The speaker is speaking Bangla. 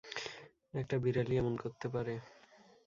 একটা বিড়ালই এমন করতে পারে!